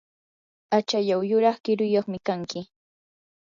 achallaw yuraq kiruyuqmi kanki.